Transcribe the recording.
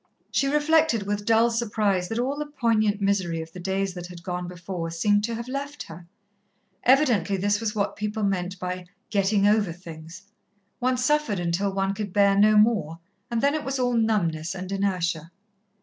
She reflected with dull surprise that all the poignant misery of the days that had gone before seemed to have left her. Evidently this was what people meant by "getting over things." One suffered until one could bear no more, and then it was all numbness and inertia.